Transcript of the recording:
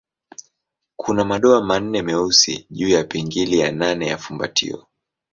Kuna madoa manne meusi juu ya pingili ya nane ya fumbatio.